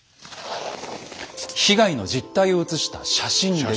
被害の実態を写した写真です。